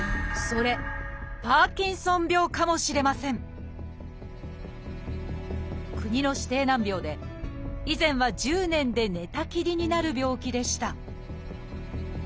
それ「パーキンソン病」かもしれません国の指定難病で以前は１０年で寝たきりになる病気でした。